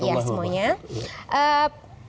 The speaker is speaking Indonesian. assalamualaikum wr wb